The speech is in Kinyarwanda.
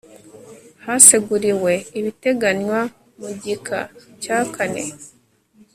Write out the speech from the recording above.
haseguriwe ibiteganywa mu gika cya kane